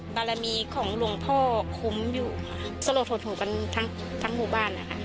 บารมีของลวงพ่อคุ้มอยู่สโลทนถูกกันทั้งหมู่บ้าน